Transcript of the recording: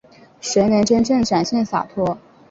谁能真正展现洒脱